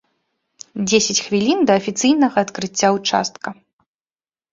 Дзесяць хвілін да афіцыйнага адкрыцця ўчастка.